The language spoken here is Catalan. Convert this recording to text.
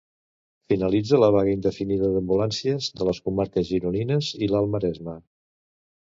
Finalitza la vaga indefinida d'ambulàncies de les comarques gironines i l'Alt Maresme.